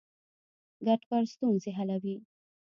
ګډ کار ستونزې حلوي.